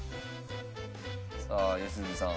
さあ良純さん。